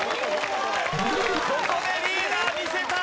ここでリーダー見せた！